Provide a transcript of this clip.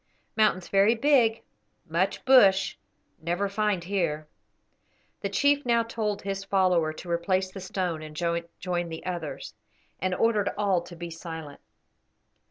Mountains very big, much bush; never find here." The chief now told his follower to replace the stone and join the others, and ordered all to be silent.